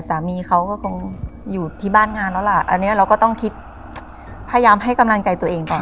สามีเขาก็คงอยู่ที่บ้านงานแล้วล่ะอันนี้เราก็ต้องคิดพยายามให้กำลังใจตัวเองก่อน